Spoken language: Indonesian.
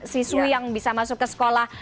siswi yang bisa masuk ke sekolah